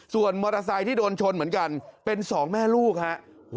ส่วนมอเตอร์ไซค์ที่โดนชนเหมือนกันเป็นสองแม่ลูกครับ